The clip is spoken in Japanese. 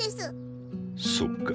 そっか。